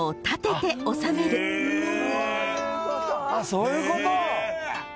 そういうこと！